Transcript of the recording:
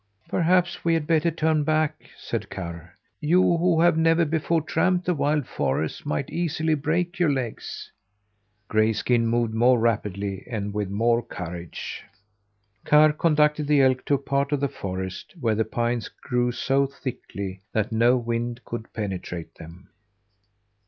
"Perhaps we had better turn back," said Karr. "You, who have never before tramped the wild forest, might easily break your legs." Grayskin moved more rapidly and with more courage. Karr conducted the elk to a part of the forest where the pines grew so thickly that no wind could penetrate them.